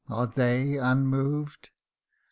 are they unmoved ?